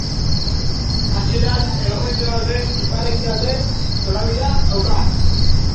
Hasieran hego-mendebalde ipar-ekialde norabidea dauka.